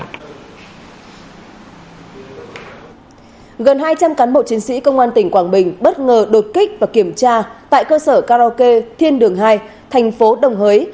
gần hai trăm linh cán bộ chiến sĩ công an tỉnh quảng bình bất ngờ đột kích và kiểm tra tại cơ sở karaoke thiên đường hai thành phố đồng hới